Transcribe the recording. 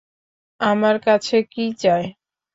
আমার কাছে কি চায়?